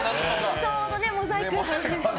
ちょうどモザイクが。